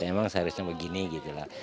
emang seharusnya begini gitu lah